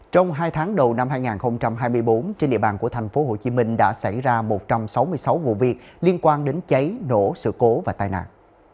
trong hai tháng đầu năm hai nghìn hai mươi bốn trên địa bàn của tp hcm đã xảy ra một trăm sáu mươi sáu vụ việc liên quan đến cháy nổ sự cố và tai nạn